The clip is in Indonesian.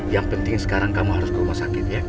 yang penting sekarang kamu harus ke rumah sakit ya